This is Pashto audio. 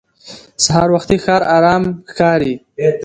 سهار وختي ښار ارام ښکاري